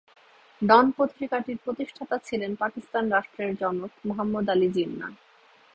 ডন পত্রিকাটির প্রতিষ্ঠাতা ছিলেন পাকিস্তান রাষ্ট্রের জনক মুহাম্মদ আলী জিন্নাহ।